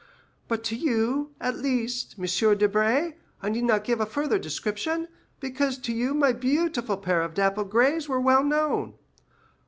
But to you, at least, M. Debray, I need not give a further description, because to you my beautiful pair of dappled grays were well known.